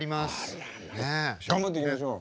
頑張っていきましょう。